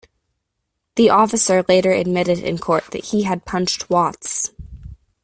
The officer later admitted in court that he had punched Watts.